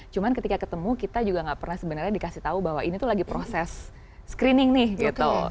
cuma ketika ketemu kita juga gak pernah sebenarnya dikasih tahu bahwa ini tuh lagi proses screening nih gitu